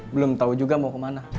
belum tahu juga mau kemana